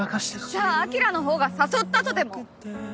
じゃあ晶の方が誘ったとでも？